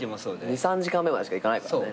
２３時間目までしか行かないからね。